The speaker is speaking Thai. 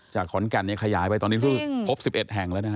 จากขอนกันยังขยายไปตอนนี้พบ๑๑แห่งแล้วนะ